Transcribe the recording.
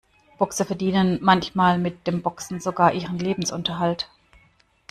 Boxer verdienen manchmal mit dem Boxen sogar ihren Lebensunterhalt.